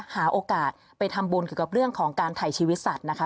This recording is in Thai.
หาโอกาสไปทำบุญเกี่ยวกับเรื่องของการถ่ายชีวิตสัตว์นะคะ